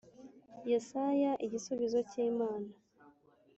Yesaya igisubizo cy Imana